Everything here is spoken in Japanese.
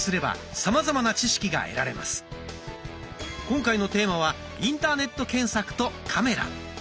今回のテーマは「インターネット検索とカメラ」。